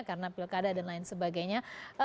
karena pilkada dan lain sebagainya